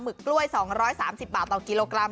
ึกกล้วย๒๓๐บาทต่อกิโลกรัม